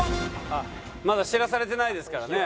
まだ知らされてないですからね。